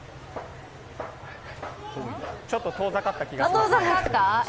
ちょっと遠ざかった感じがしますね。